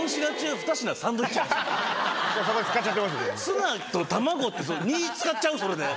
ツナと卵って２使っちゃうそれで。